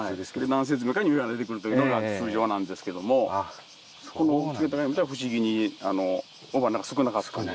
何節目かに雌花が出てくるというのが通常なんですけども鹿ケ谷かぼちゃは不思議に雄花が少なかったんです。